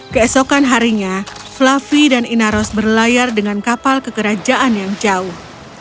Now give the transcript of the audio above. keesokan harinya fluffy dan inaros berlayar dengan kapal kekerajaan yang jauh